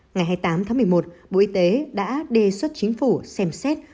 ngày hai mươi tám tháng một mươi một bộ y tế đã đề xuất chính phủ xem xét